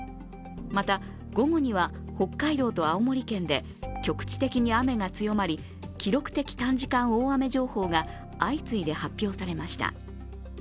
また、午後には北海道と青森県で局地的に雨が強まり、記録的短時間大雨情報が相次いで発表されました。